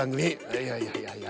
いやいやいやいや。